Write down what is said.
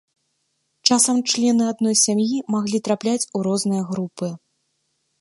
Часам члены адной сям'і маглі трапляць у розныя групы.